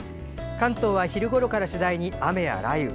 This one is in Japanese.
関東は昼ごろから次第に雨や雷雨。